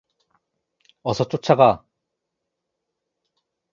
어서 쫓아가!